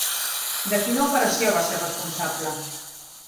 De quina operació va ser responsable?